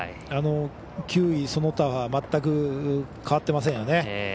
球威、その他は全く変わってませんよね。